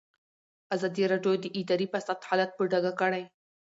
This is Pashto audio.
ازادي راډیو د اداري فساد حالت په ډاګه کړی.